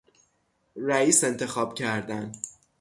رئیس انتخاب کردن